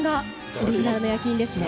オリジナルの焼き印ですね。